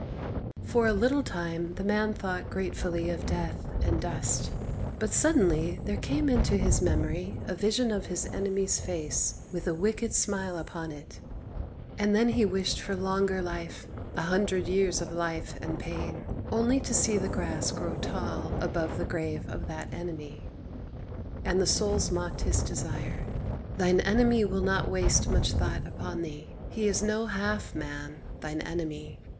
For a little time the Man thought gratefully of death and dust. But suddenly there came into his memory a vision of his enemy's face, with a wicked smile upon it. And then he wished for longer life, a hundred years of life and pain, only to see the grass grow tall above the grave of that enemy. And the Souls mocked his desire: "Thine enemy will not waste much thought upon thee. He is no half man, thine enemy!